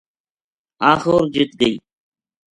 آخر جِت گئی